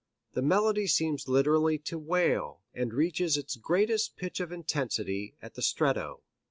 The melody seems literally to wail, and reaches its greatest pitch of intensity at the stretto."